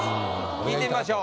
聞いてみましょう。